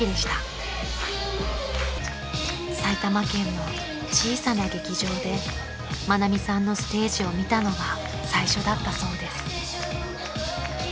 ［埼玉県の小さな劇場で愛美さんのステージを見たのが最初だったそうです］